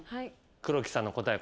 黒木さんの答え。